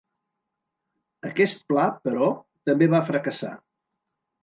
Aquest pla, però, també va fracassar.